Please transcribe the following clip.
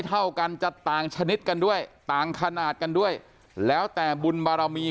เท่ากันจะต่างชนิดกันด้วยต่างขนาดกันด้วยแล้วแต่บุญบารมี